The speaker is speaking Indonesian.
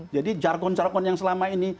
jadi jargon jargon yang selama ini